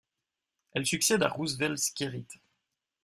Elle succède à Roosevelt Skerrit.